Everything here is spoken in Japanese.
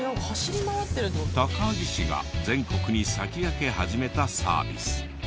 高萩市が全国に先駆け始めたサービス。